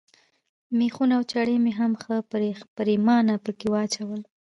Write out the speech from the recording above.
مېخونه او چرې مې هم ښه پرېمانه پکښې واچول.